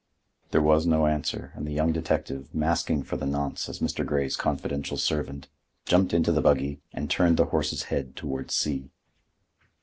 There was no answer, and the young detective, masking for the nonce as Mr. Grey's confidential servant, jumped into the buggy, and turned the horse's head toward C—.